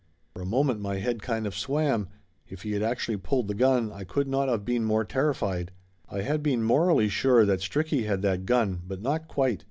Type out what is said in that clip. For a moment my head kind of swam. If he had actually pulled the gun I could not of been more terri fied. I had been morally sure that Stricky had that gun, but not quite.